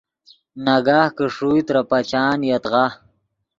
ناگاہ کہ ݰوئے ترے پچان یدغا